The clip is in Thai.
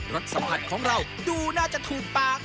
สสัมผัสของเราดูน่าจะถูกปาก